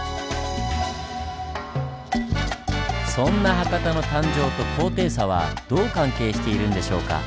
そんな博多の誕生と高低差はどう関係しているんでしょうか？